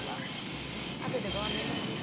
後でご案内します。